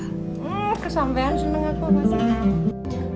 hmm kesampean senang aku